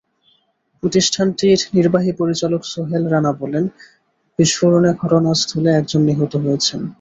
প্রতিষ্ঠানটির নির্বাহী পরিচালক সোহেল রানা বলেন, বিস্ফোরণে ঘটনাস্থলে একজন নিহত হয়েছেন।